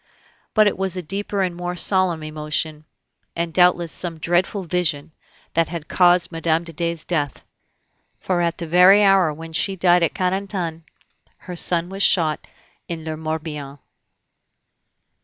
But it was a deeper and a more solemn emotion, and doubtless some dreadful vision, that had caused Mme. de Dey's death; for at the very hour when she died at Carentan, her son was shot in le Morbihan.